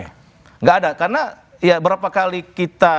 tidak ada karena ya berapa kali kita